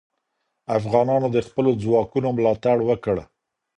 افغانانو د خپلو ځواکونو ملاتړ وکړ.